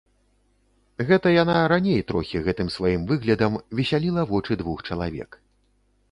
Гэта яна, раней трохі, гэтым сваім выглядам весяліла вочы двух чалавек.